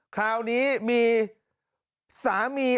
คราวนี้มีสามี